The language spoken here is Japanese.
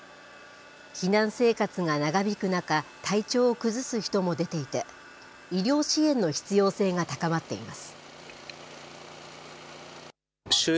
避難生活が長引く中、体調を崩す人も出ていて、医療支援の必要性が高まっています。